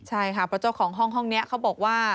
ใช่ค่ะเพราะเจ้าของห้องนี้เขาบอกว่า